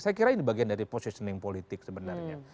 saya kira ini bagian dari positioning politik sebenarnya